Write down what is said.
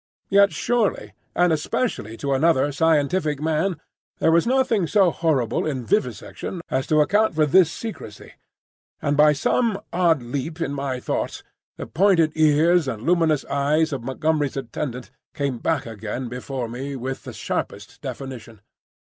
Yet surely, and especially to another scientific man, there was nothing so horrible in vivisection as to account for this secrecy; and by some odd leap in my thoughts the pointed ears and luminous eyes of Montgomery's attendant came back again before me with the sharpest definition.